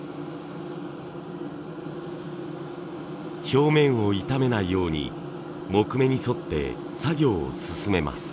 表面を傷めないように木目に沿って作業を進めます。